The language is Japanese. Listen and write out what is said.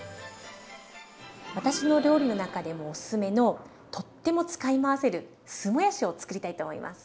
私の料理の中でもおすすめのとっても使い回せる酢もやしをつくりたいと思います。